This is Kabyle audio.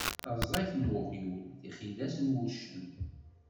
Taẓayt n uɣyul, tixidas n wuccen.